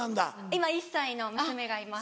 今１歳の娘がいます。